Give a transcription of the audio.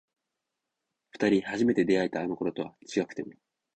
二人初めて出会えたあの頃とは違くても